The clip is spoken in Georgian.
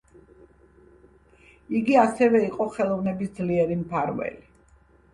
იგი ასევე იყო ხელოვნების ძლიერი მფარველი.